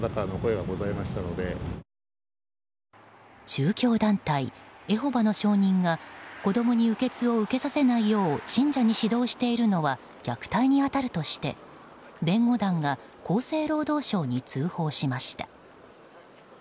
宗教団体エホバの証人が子供に輸血を受けさせないよう信者に指導しているのは虐待に当たるとして弁護団が厚生労働省に通報しました。